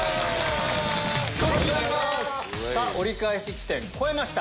さぁ折り返し地点越えました。